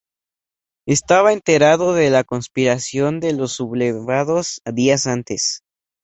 Estaba enterado de la conspiración de los sublevados días antes.